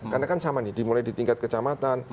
karena kan sama nih dimulai di tingkat kecamatan